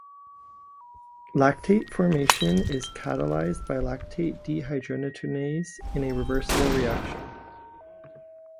Lactate formation is catalyzed by lactate dehydrogenase in a reversible reaction.